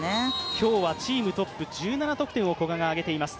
今日はチームトップ１７得点を古賀が挙げています。